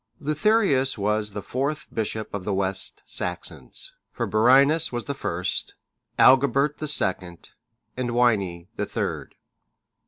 ] Leutherius was the fourth bishop of the West Saxons; for Birinus was the first, Agilbert the second, and Wini the third.